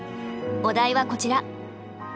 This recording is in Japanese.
お題はこちら。